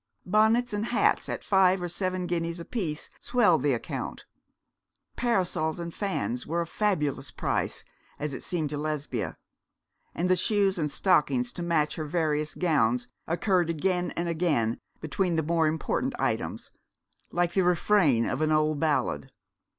Bonnets and hats, at five or seven guineas apiece, swelled the account. Parasols and fans were of fabulous price, as it seemed to Lesbia; and the shoes and stockings to match her various gowns occurred again and again between the more important items, like the refrain of an old ballad.